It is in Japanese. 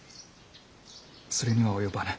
それには及ばぬ。